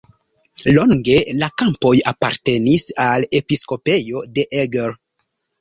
Longe la kampoj apartenis al episkopejo de Eger.